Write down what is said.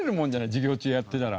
授業中やってたら。